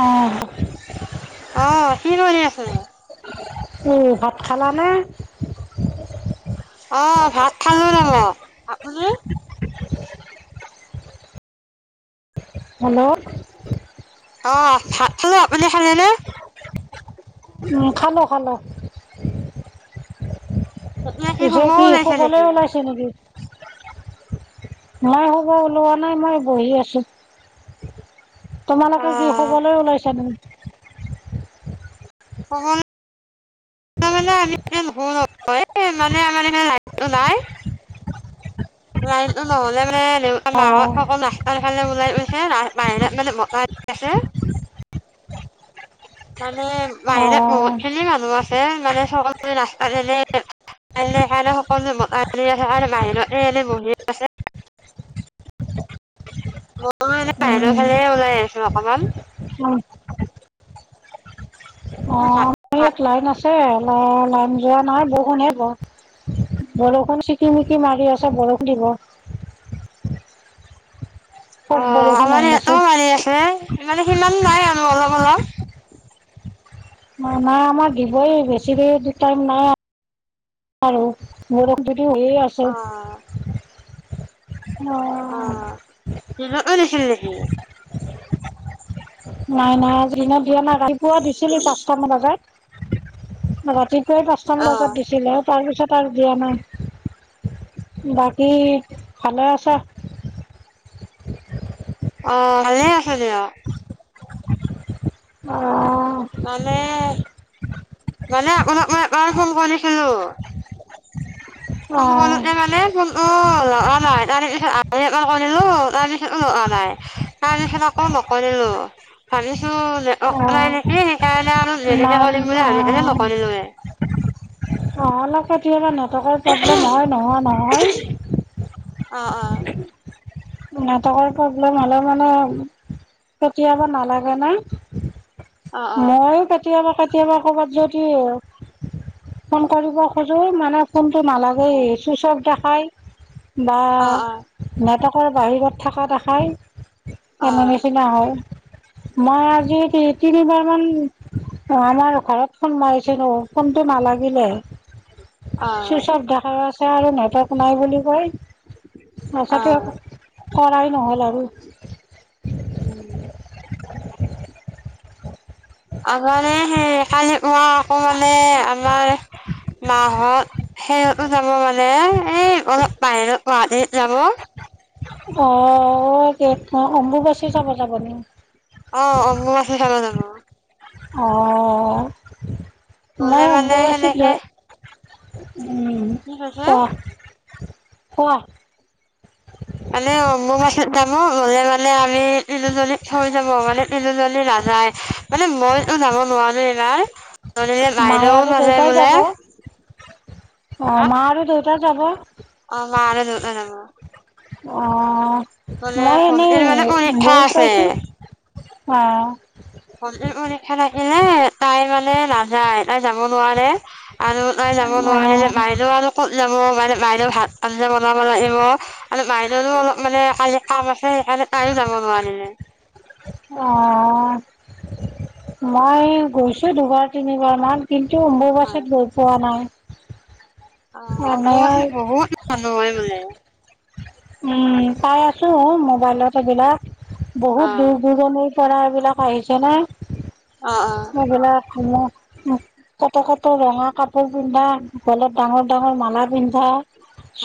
অ', আহ কি কৰি আছে উম ভাত খালানে অ ভাত খালো [unintelligible] আপুনি হল অ ভাত খালো আপুনি খালেনে উ খালো খালো এতিয়া পিছে শুব কি ওলাইছে শুবলে নেকি? ওলাইছে নেকি মই হ'ব ওলোৱা নাই মই বহি আছো তোমালোকে কি অ', খবলৈ ওলাইছা তম অসমহম মানে আমি এয়া নুশ মানে আমাৰ এইখন লাই নাই লাইনটো নহ'লে মানে অ', বাহিৰাত মানে আছে। মানে বাহিৰত অ', বহুত খিনি মানুহ আছে মানে চকল নাস্তা দে কাই সকলোআছে আৰু বাহিৰত আলি বি আছে। অই এনে বাহেৰ খালে ওলাই আহিছো অকমান। উম অ' পিছে ভাত ম ভাত এক লাইন আছে অ লাইন যোৱা নহয় বৰষুণে বৰ বৰষুণ কি ন কি মাৰি আছে বৰষণ দিব অ পত বৰষুণ আমাৰ ইয়াতো আহিলেচোন মাৰি আছে মানে সিমান নাই আৰু অলপ অলপ নাই নাই আমাৰ দিবই বেছি দেৰি দু টাইম নাই আৰু গৰম পেতি হৈয়ে অ আছো অ' দেখিলি নেখি নাই নাই আজ দিনত দিয়া নাই ৰাতিপুৱা দিছো নি পাঁচটাামান বজাত ৰাতি পাঁচটাম অ বজাত দিছিলে তাৰপিছত আৰু দিয়া নাই বাকী ভালে আছা। অ' ভালে আছে দেয়া অঁ মানে মানে আপোনাক মই একাৰণে ফোন কৰিছিলো ভ মানে ভ উম অ' ন' তাৰ পিছ কৰিলো তাৰ নিচনাো নোহোৱা নাই তাৰ নিচনা আকৌ নকৰিলো ভাবিছো অঁ নেকি সেইকাৰণে আৰু যেনেকে ইমান কৰিম বুলি ভাবি অঁ এ নকনিলোয় অ' অলপ কেতিয়াবা নেটৱৰ্কৰ প্ৰব্লেম হয় নহোৱা নহয় অ অ' নেটৱৰ্কৰ প্ৰব্লেম হ'লে মানে কেতিয়াবা নালাগে ন অ অ মই কেতিয়াবা কেতিয়াবা কৰ'ৰবাত যদি ফোন কৰিব খজো মানে অ অ অ [unintelligible] ৰ বাহিৰত থকা দেখাই অ এনা নিচিনা হয় মই আজি তিনিবাৰ মান অ' আমাৰ ঘৰত ফোন মাৰিছে নো ফোনটো নালাগিলে অ চুইচ অফ দেখা আছে আৰু নেটৰ্ক নাই বুলি কয় অ তছতে অ কৰাই নহল আৰু উম আ মানে হে কাল ক আকৌ মানে আমাৰ নাহত সেইহঁত যাব মানে এই অলপ বাহিৰত গুৱাহাটীত যাব অ' গ অ' অম্বুবাচী যাব যাব নি অহ [unintelligible] অ' গলে মই মানে অম্বুবাচী হ সেনেকে কি কৈছে কোৱা মানে অম্বুবাচীত যাব। হলে মানে আমি তিলুজলি থৈ যাব মানে তিলুজলি নাযায় মানে মই যাম [unintelligible] নাই মায় আৰু দেউতাই যাব, অ, হা মা আৰু দেউতাই যাব। অ মা আৰু দেউতা যাব। অ বোলে মই এনেই ভন্টিৰ মানে পৰীক্ষা গৈ পাইছো। আছে অ ভণ্টিৰ পৰীক্ষা থাকিলে তাই মানে নাযায়, তাই যাব নোৱাৰে আৰু নাই যাব নোৱাৰিলে অ মাই [unintelligible] যাব মানে বাইদেউ ভাত আঞ্জা বনাব লাগিব ল, আৰু বাইদেউৰো অলপ মানে কালি কাম আছে। তাইও যাব নোৱাৰিলে। অ মই গৈছো দুবাৰ তিনিবাৰ মান কিন্তু হয় অম্বুবাচী গৈ পোৱা নাই অ এনেই অম্বুবাচীত বহুত মানুহ হয় বোলে উম পাই আছো মোবাইলত এইবিলাক অ বহুত দূৰ দূৰণিৰ পৰাৰ এইবিলাকো আহিছে ন। অ অ। এইবিলাক সময় [unintelligible] কটো ৰঙা কাপোৰ পিন্ধা, গলত ডাঙৰ ডাঙৰ মালা পিন্ধা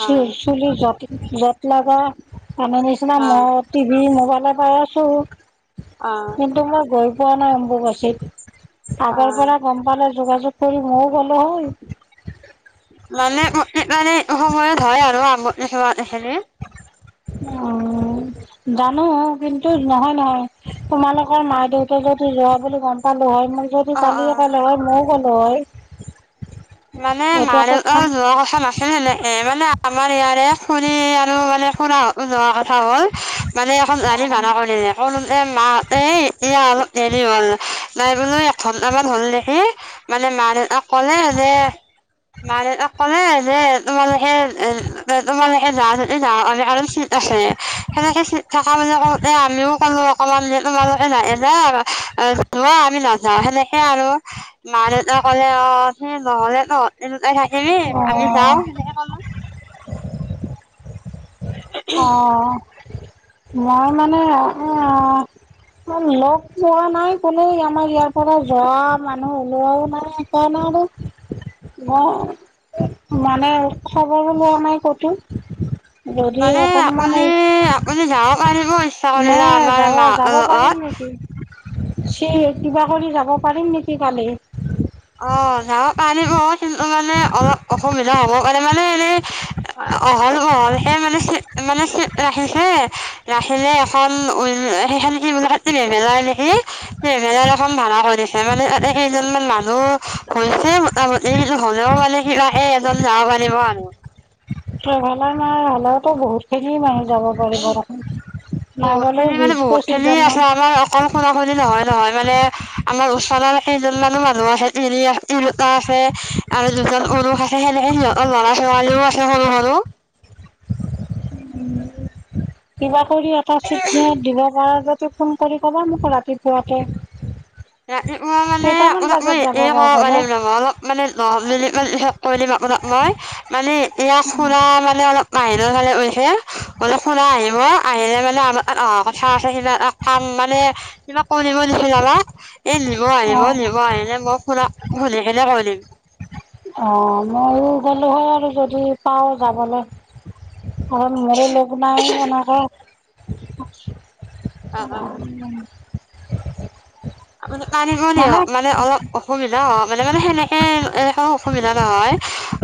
চিল চুলি যত, যত লাগা [unintelligible] নিচিনা হয় মই টিভি মোবাইলে পাই আছো। অ কিন্তু মই গৈ পোৱা নাই অম্বুবাছিত। অ আগৰ পৰা গম পালে যোগাযোগ ক'লে মইও গ'লো হয়। মানে প্ৰত্যেকবাৰে এইটো সময়ত হয় আৰু আম কিমান খেলি অ, জানো কিন্তু নহয় নহয়। তোমালোকৰ অ মা দেউতা যদি যোৱা বুলি গম পালো হয় মোৰ যদি অ কালি অ। কালো হয় ময়ও গলো হয়। মানে মা এতিয়াতো দেউতাও খান যোৱা কথা নাছিলে এনেকে মানে কৰি খুৰী আৰু মানে খুৰাহতো যোৱা কথা হ'ল। মানে এখন গাড়ী ভাড়া কৰিলে, কৰোঁতে মাহঁতে এই এয়া অলপ দেৰি হ'ল, নাই বোলো আমাৰ হ'ল দেখি মানে মা দেউতাক কলে যে মান তাক ক'লে যে তোমালোকে এ তোমালোকে য যদি যা কাৰমি আৰু চিন্তা সেনেকে থকা মানে ক এ আমিও কোনো অকমান তোমালোকে নাহ [unintelligible] আমি নাযাও সেনেকে আৰু মা দেউতা ক'লে। অ সেই নহলে নো এনেকৈ থাকিমেই আমি যাও অ', সেনেকে কলো। অঁ মই মানে [unintelligible] লগ পোৱা নাই কোনে আমাৰ ইয়াৰ পৰা যোৱা মানুহ ওলোৱাও নাই সেইকাৰণে আৰু [unintelligible] মানে খবৰো লোৱা নাই ক'তো, যদি মানে অকণমান আপুনি এই আপুনি যাব পাৰিব ইচ্ছা কৰিলে নাই আমাৰ যাব যাব মাহঁতৰ পাৰিম লগত নেকি? স কিবা কৰি যাব পাৰিম নেকি কালি? অ' [unintelligible] মানে অলপ অসমীয়া নহ'ব পাৰে মানে এনেই অহল অহলকে মানে চিত মানে চিত ৰাখিছে। ৰাখিলে এখন উ সেইখে সি মল ট্ৰেভেলাৰ নেকি ট্ৰেভেলাৰ এখন ভাড়া অখে মানে তাতে কেইজনমান মানুহ আৰু হৈছেই মোটামুটি কিন্তু হ'লেও মানে কিবাকে এজন যাব পাৰিব আৰু। ট্ৰেভেলাৰ মানে হ'লেওতো বহুতখিনি মানে যাব পাৰিব দেখোন। নাই গ'লেও বহুতখিনি মানে বিশ বহুত খিনিয়ে আছে পঁচিছজনমান আমাৰ অকল খুৰা খুৰী নহয় নহয় মানে আমাৰ ওচৰৰ কেইজনমানো মানুহ আছে তিৰি তিৰোতা আছে আৰু দুজন পুৰুষ আছে। সেনেকে সিহঁতৰ ল'ৰা ছোৱালীও আছে সৰু সৰু। কিবা কৰি এটা চিটনে দিব পাৰ যাব। তোক ফোন কৰি ক'বা মোকো ৰাতিপুৱাকৈ ৰাতিপুৱা মানে আপোনাক মই যাব এ কব বাৰু গ'লে পাৰিম ন অলপ মানে নৰ্মেলি মানে [unintelligible] মই মানে এতিয়া খুণ মানে অলপ বাহিৰৰ ফালে গৈছে [unintelligible] তাই আহিব, আহিলে মানে আমাৰ তাত অহা কথা আছে কিবা কাম মানে কিবা কৰিব [unintelligible] এই নিব আহিব, অঁ নিব আহিলে মই শুনা শুনিকেনে কৈ দিম। অঁ ময়ো গ'লোঁ হয় আৰু যদি পাওঁ যাবলৈ। কাৰণ মোৰো লগ নাই হেনকা। [inaudible] অ অ [unintelligible] দিয় মানে অলপ অসুবিধা মানে। মানে সেনে [inaudible] অসুবিধা নহয়,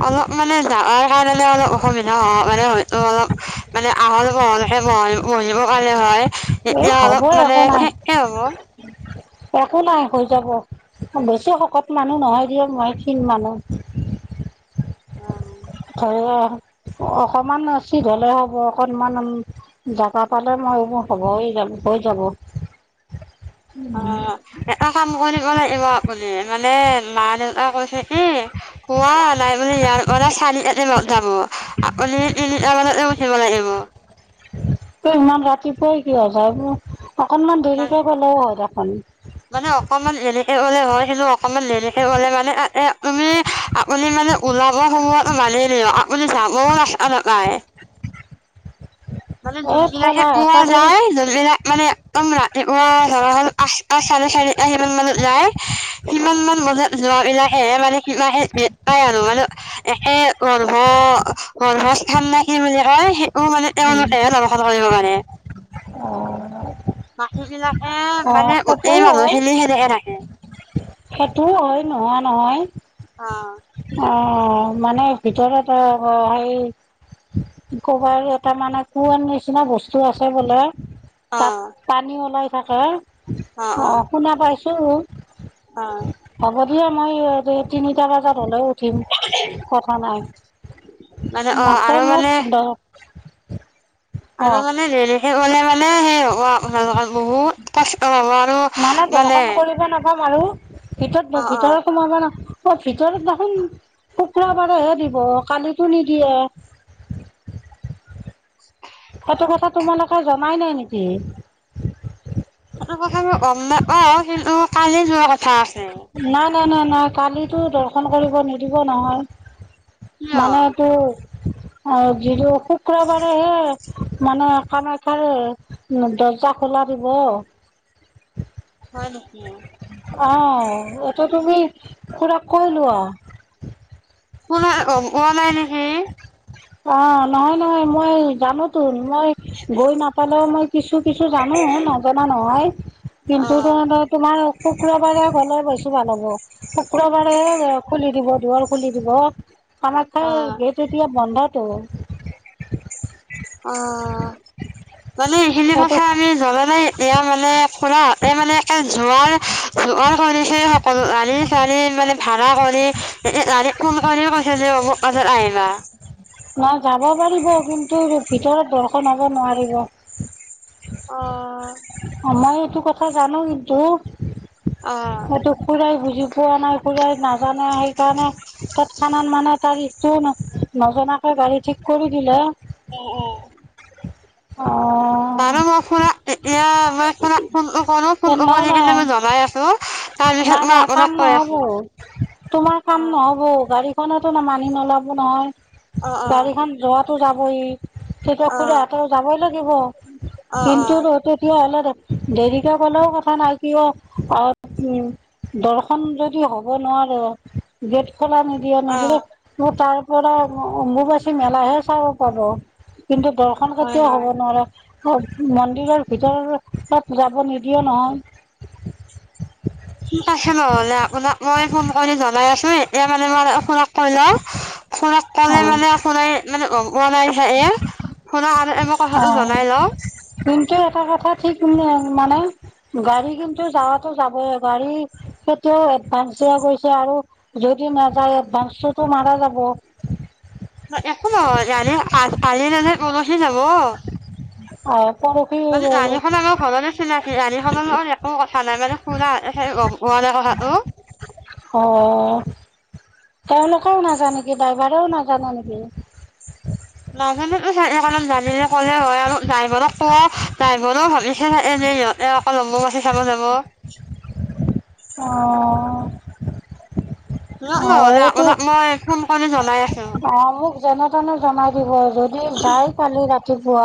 অলপ মানে যাবাৰ কাৰণে অলপ অসুবিধা হয়। মানে হয়তো অলপ মানে আহল বহলকে বহ বহিব কাৰণে হয়। এই হ'ব একো নাই [unintelligible] একো নাই হৈ যাব বেছি শকত মানুহ নহয় দিয়ক মই কিন মানুহ [inaudible] অ'। [unintelligible] অকমান ৰচিত হলে হ'ব অকনমান জগা পালে মইবোৰ হ'ব হৈ যাব। অ' এটা কাম কৰিব লাগিব আপুনি। মা-দেউতা কৈছে কি পোৱা নাই বোলে ইয়াৰ পৰা চাৰি [unintelligible] আপুনি তিনিটা বজাতে উঠিব লাগিব। ইমান ৰাতিপুৱাই কিয়, অকনমান দেৰিকে গলেও হয় দেখোন। মানে অকমান দেৰিকে গলে হয়, কিন্তু অকমান দেৰিকে গলে মানে তাতে তুমি আপুনি মান ওলাব সময়তো লাগেই দিয়ক, আপুনি যাবও [unintelligible] [inaudible] মানে এই যোনবিলাকে ঠেলা হেঁচা [unintelligible] কৰি যাই যোনবিলাক মানে একদম ৰাতিপুৱা ধৰা হল আঠটা চাৰে আঠ [unintelligible] মান যোৱ বিলাকে মানে কে পাই আনো মানে এে মন্হ মন মাছ থাম না কি বুলি কয় সেই অ মানে তেওঁলোকেহে দৰ্শন কৰিব পাৰে। অ। বাকীবিলাকে মানে গোটেই সেইটোও হয় মানুহখিনি সেনেকে থাকে। সেইটোও হয় নোহোৱা নহয়। অ অ মানে ভিতৰত ত ক সেই ক'বাৰ এটা মানে কোৰণ নিচিনা বস্তু আছে বোলে। অ তাত পানী ওলাই থাকে অ' শুনা পাইছো। অ হ'ব দিয়া মই তিনিটা বজাত হ'লেও উঠিম কথা নাই, মানে অ মাত্ৰ আৰু মোক মানে দ আৰু মানে দেৰিকে গ'লে মানে সেই হ'ব আপোনালোকৰ বহুত কষ্ট হ'ব। আৰু মানুহে মানে দৰ্শন কৰিব নাপাম আৰু ভিতত অ অ ভিতৰত সোমাব না হ ভিতৰত দেখোন শুক্ৰবাৰেহে দিব কালিটো নিদিয়ে। [inaudible] সেইটো কথা তোমালোকে জনাই নাই নেকি? সেটো কথা গম নাপাওঁ, কিন্তু কালি যোৱা কথা আছ নাই নাই নাই নাই কালিটো দৰ্শন কৰিব নিদিব নহয়। কিয় মানে এটো অ যিটো শুক্ৰবাৰেহে মানে কামাখ্যাৰে দৰ্জা খোল পাৰিব। হয় নেকি অ এইটো তুমি খুড়াক কৈ লোৱা। খুড়াই গম পোৱা নাই নেকি। অ নহয় নহয় মই জানোতো। মই গৈ নাপালেও মই কিছু কিছু জানো নজনা নহয়। অ কিন্তু ত তোমাৰ শুক্ৰবাৰে গ'লে বছি ভাল হ'ব। শুক্ৰবাৰেহে খুলি দিব দুৱাৰ খুলি দিব, অ কামাখ্যাৰ গেত এতিয়া বন্ধত অ' অ মানে এইখিনি সেইটো কথা আমি জ্বলাই এতিয়া মানে খুৰাতে মানে একে জোৰ জ কৰিছে সকলো আলি ছোৱালী মানে ভা় কৰি ৰাাৰী ফোন কৰি কৈছে যে অ মোক কাজত আহিবা নহ যাব পাৰিব কিন্তু ভিতৰত দৰ্শন হ'ব নোৱাৰিব অ আমাৰ এইটো কথা জানো কিন্তু অ এইটো খুৰাই বুজি পোৱা নাই খুৰাই নাজানে সেইকাৰণে তৎক্ষণাত মানে তাৰিখটো নজনাকে গাড়ী ঠিক কৰি দিলে অ অ আৰুন নহয় মই ফোন এয়া মই ফোন ফোন ফোন নহয় নাই কৰি কেনে মই জনাই আছো তাৰ নাই পিছত মই নাই কাম আপোনাক কৈ নহ'ব আছো তোমাৰ কাম অ', নহব গাড়ী খতো ন মানি নলাব নহয় অ', অ', গাড়ীখন যোৱাতো যাবই তেতিয়া অ', খুহতে যাবই লাগিব অ', কিন্তু অ', তেতিয়া হ'লে দেৰি এতিয়া কলেও কথা নাই কিয় অ উ দৰ্শন খ যদি হ'ব নোৱাৰো গেট খোলা নিদিয়ে নিদিয়ে অ'। ম তাৰ পৰা অম্বুবাচী মেলাহে চাব পাব কিন্তু দৰ্শন হয়, কেতিয়াও হব হয় নোৱাৰে মন্দিৰৰ ভিতৰত যাব নিদিয়ে নহয় ঠিক আছে নহ'লে এয়া মানে মই শুনক পলো শুন কলে অ', মানে শুনাই মানে বনাই যায় এ শুনক আৰু মই কথাটো অ', জনাই লওঁ কিন্তু এটা কথা ঠিক মানে গাড়ী কিন্তু যাৱাতো যাবইে গাড়ী সেইটো এডভান্স টো গৈ আৰু যদি নাযায় এডভান্স টোতো মাৰা যাব একো নহয় জানে কালি নাযায় পৰহি যাব অ পৰখি মানে গাড়ীখন আমাৰ ঘৰতে চিনাকি গাড়ীখনৰ একো কথা নাই মানে [unintelligible] টো অ অ তেওঁলোকেও নাযায় নেকি ড্ৰাইভাৰেও নাজানে নেকি নাজানো চাগে কাৰণে জানিলে ক'লে হয় আৰু ড্ৰাইভাৰক কওঁ ড্ৰাইভাৰেও ভাবিছে এনেই এ অকল অম্বুবাচী চাব যাব অ ন অ', ন এইটো আপোনাক মই ফোন কৰি জনাই আছো। অ মোক যেনে তেনে জনাই দিব যদি যাই কালি ৰাতিপুৱা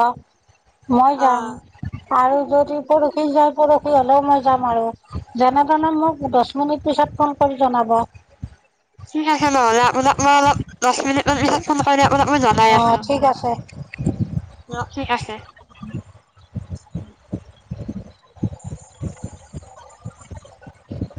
মই অ যাম আৰু যদি পৰহি যাই পৰহি হ'লেও মই যাম আৰু যেনে তেনে মোক দহ মিনিট পিছত ফোন কৰি জনাব ঠিক আছে নহলে আপোনাক মই অলপ দহ মিনিট মান পিছত ফোন কৰিম আপোনাক মই অ ঠিক আছে অ ঠিক আছে [inaudible] [unintelligible] [inaudible]